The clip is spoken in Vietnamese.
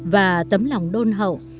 và tấm lòng đôn hậu